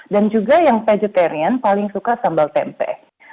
dan juga yang vegetarian paling suka sambal tempe